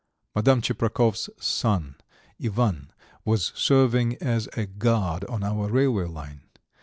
Madame Tcheprakov's son, Ivan, was serving as a guard on our railway line.